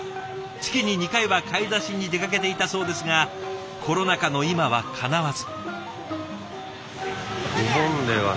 月に２回は買い出しに出かけていたそうですがコロナ禍の今はかなわず。